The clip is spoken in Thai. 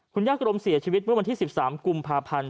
คุณย่ากรมเสียชีวิตเมื่อวันที่๑๓กุมภาพันธ์